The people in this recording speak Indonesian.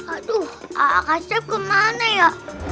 aduh agak agak kemana ya